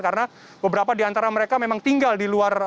karena beberapa diantara mereka memang tinggal di luar surabaya